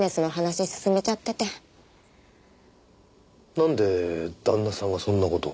なんで旦那さんがそんな事を？